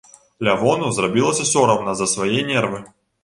Лявону зрабілася сорамна за свае нервы.